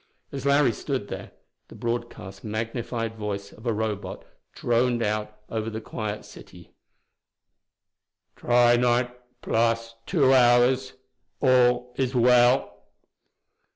As Larry stood there, the broadcast magnified voice of a Robot droned out over the quiet city: "Trinight plus two hours. All is well."